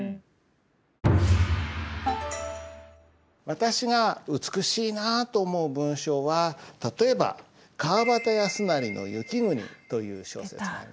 私が美しいなと思う文章は例えば川端康成の「雪国」という小説があります。